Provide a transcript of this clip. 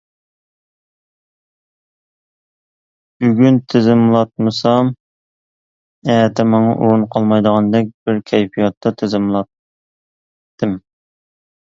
بۈگۈن تىزىملاتمىسام ئەتە ماڭا ئورۇن قالمايدىغاندەك بىر كەيپىياتتا تىزىملاتتىم.